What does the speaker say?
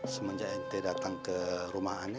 semenjak ente datang ke rumah ane